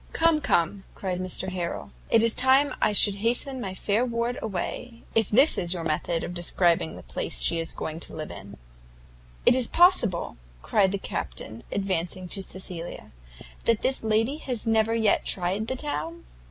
"Come, come," cried Mr Harrel, "it is time I should hasten my fair ward away, if this is your method of describing the place she is going to live in." "Is it possible," cried the Captain, advancing to Cecilia, "that this lady has never yet tried the town?"